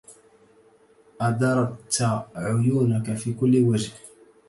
أدرت عيونك في كل وجه